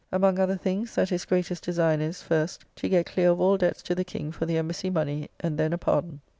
Among other things, that his greatest design is, first, to get clear of all debts to the King for the Embassy money, and then a pardon.